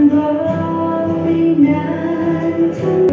กระกันสองแถวเป็นแถวต่อ